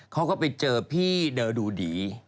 เขาก็ไปเจอพี่เดอร์ดูดี